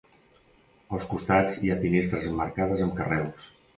Als costats hi ha finestres emmarcades amb carreus.